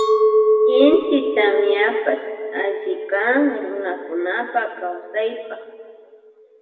Inti tamiapash allikan runakunapa kawsaypa.